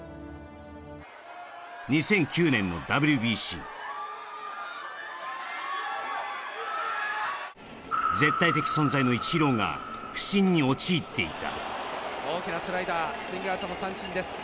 ２００９年のＷＢＣ、絶対的存在のイチローが不振に陥っていた。